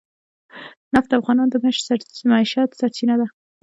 نفت د افغانانو د معیشت سرچینه ده.